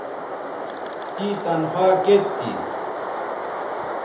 تیں تنخوا کیئت تھی